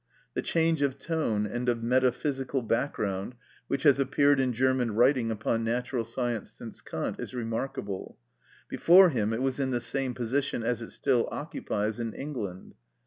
The change of tone and of metaphysical background which has appeared in German writing upon natural science since Kant is remarkable; before him it was in the same position as it still occupies in England.